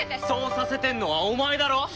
そうさせてるのはお前だろ！